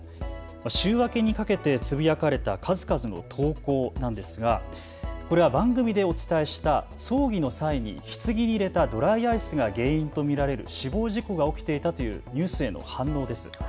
週明けにかけてつぶやかれた数々の投稿なんですがこれは番組でお伝えした葬儀の際にひつぎに入れたドライアイスが原因と見られる死亡事故が起きていたというニュースへの反応です。